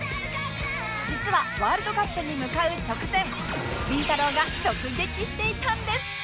実はワールドカップに向かう直前りんたろー。が直撃していたんです